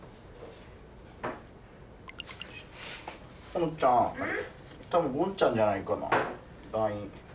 ほのちゃん多分ゴンちゃんじゃないかなＬＩＮＥ。